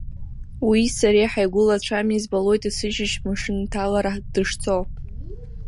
Уии сареи ҳаигәылацәами, избалоит есышьыжь мшынҭалара дышцо.